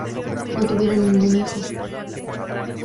No tuvieron ningún hijo.